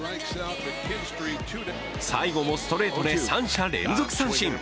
最後もストレートで三者連続三振。